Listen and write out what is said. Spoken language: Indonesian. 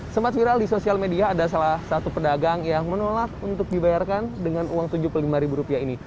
sempat viral di sosial media ada salah satu pedagang yang menolak untuk dibayarkan dengan uang rp tujuh puluh lima ini